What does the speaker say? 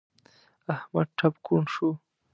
احمد ټپ کوڼ شو.